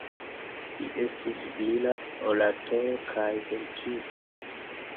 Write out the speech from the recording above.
Li estis brila oratoro kaj verkisto.